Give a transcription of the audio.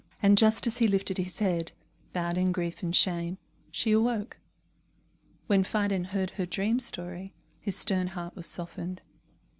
And just as he lifted his head, bowed in grief and shame, she awoke. When Phidon had heard her dream story, his stern heart was softened.